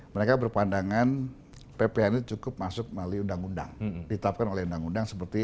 mereka berpandangan pphn cukup masuk melalui undang undang ditatapkan oleh undang undang seperti